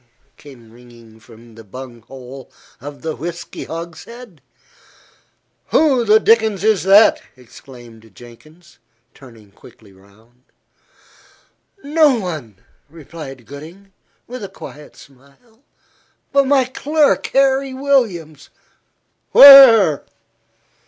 came ringing from the bunghole of the whisky hogshead. "Who the dickens is that?" exclaimed Jenkins, turning quickly round. "No one," replied Gooding, with a quiet smile, "but my clerk, Harry Williams." "Where?"